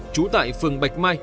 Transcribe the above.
trú tại phường bạch mai